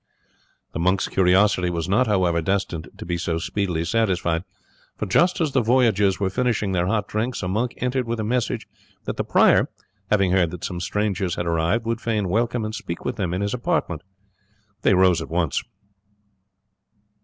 The monk's curiosity was not, however, destined to be so speedily satisfied, for just as the voyagers were finishing their hot drinks a monk entered with a message that the prior, having heard that some strangers had arrived, would fain welcome and speak with them in his apartment. They rose at once.